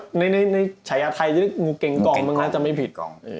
ใช่ในฉายาไทยจะนึกว่าเมืองเกงกองมันน่าจะไม่ผิด